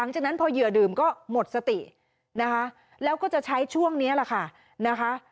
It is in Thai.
หลังจากนั้นพอเหยื่อดื่มก็หมดสตินะคะแล้วก็จะใช้ช่วงนี้แหละค่ะนะคะ